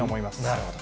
なるほど。